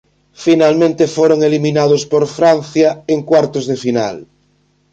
Finalmente foron eliminados por Francia en cuartos de final.